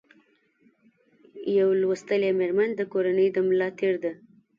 یو لوستي مېرمن د کورنۍ د ملا تېر ده